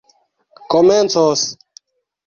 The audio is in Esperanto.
komencos